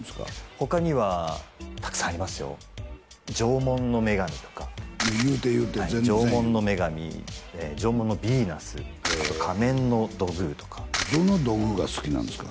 他にはたくさんありますよ縄文の女神とか言うて言うて全然言うて縄文の女神縄文のビーナスあと仮面の土偶とかどの土偶が好きなんですか？